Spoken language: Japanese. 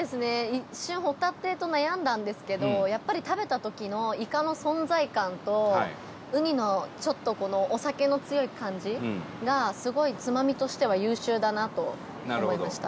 一瞬、ほたてと悩んだんですけどやっぱり食べた時の、いかの存在感とうにの、ちょっとお酒の強い感じがすごい、つまみとしては優秀だなと思いました。